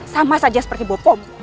sama saja seperti bopom